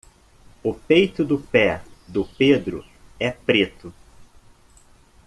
o peito do pé do pedro é preto